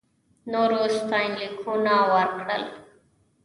نورو ستاینلیکونه ورکړل.